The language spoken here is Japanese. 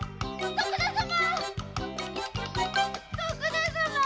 徳田様！